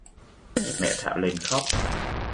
Mẹ Thảo liền khóc